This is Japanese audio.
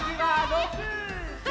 ６！